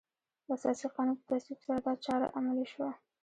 د اساسي قانون په تصویب سره دا چاره عملي شوه.